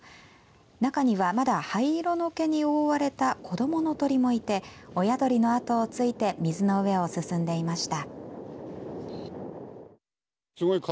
中には、まだ灰色の毛に覆われた子どもの鳥もいて親鳥のあとをついて水の上を進んでいました。